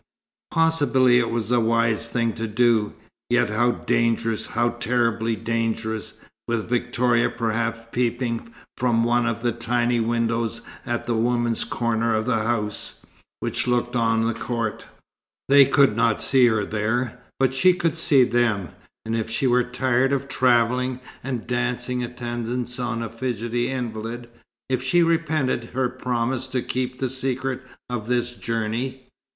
Possibly it was a wise thing to do, yet how dangerous, how terribly dangerous, with Victoria perhaps peeping from one of the tiny windows at the women's corner of the house, which looked on the court! They could not see her there, but she could see them, and if she were tired of travelling and dancing attendance on a fidgety invalid if she repented her promise to keep the secret of this journey?